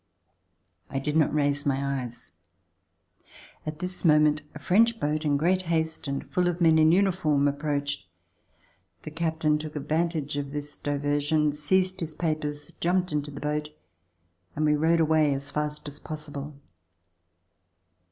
I did not raise my eyes. At this moment a French boat in great haste and full of men in uniform approached. The captain took advantage of this diversion, seized his papers, jumped into the boat and we rowed away as fast as possible.